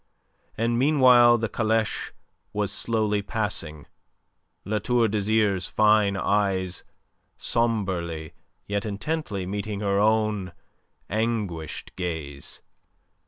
And meanwhile the caleche was slowly passing, La Tour d'Azyr's fine eyes sombrely yet intently meeting her own anguished gaze.